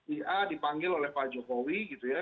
ia dipanggil oleh pak jokowi gitu ya